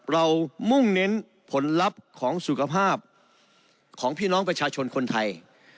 มุ่งเน้นผลลัพธ์ของสุขภาพของพี่น้องประชาชนคนไทย